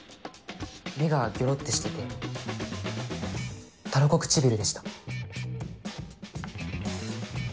目がギョロってしててタラコ唇でした。